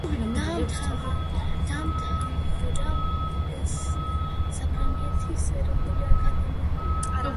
დაამთავრა საფრანგეთის ეროვნული აკადემია.